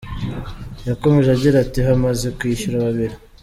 Yakomeje agira ati “Hamaze kwishyura babiri.